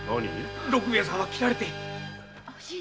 六兵衛さんは斬られて。